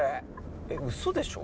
えウソでしょ？